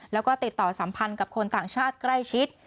แล้วก็ติดต่อสัมพันธ์กับคนต่างชาติใกล้ชิด